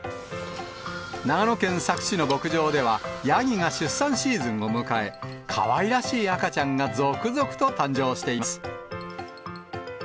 長野県佐久市の牧場では、ヤギが出産シーズンを迎え、かわいらしい赤ちゃんが続々と誕生しています。